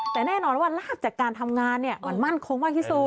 แต่แน่นอนว่าลาบจากการทำงานมันมั่นคงมากที่สุด